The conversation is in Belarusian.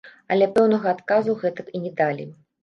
Але пэўнага адказу гэтак і не далі.